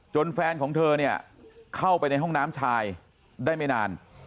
แฟนของเธอเนี่ยเข้าไปในห้องน้ำชายได้ไม่นาน